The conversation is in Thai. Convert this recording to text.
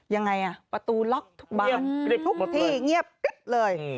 ยังไงอ่ะประตูล็อกทุกบ้านทุกที่เงียบกริ๊บเลย